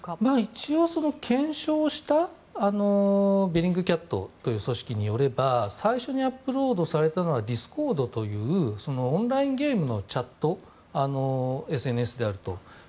一応、検証したベリングキャットという組織によれば最初にアップロードされたのはディスコードというオンラインゲームのチャットＳＮＳであると。